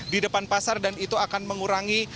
di depan pasar dan itu akan mengurangi